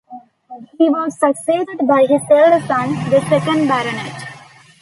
He was succeeded by his elder son, the second Baronet.